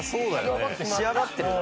仕上がってるよ。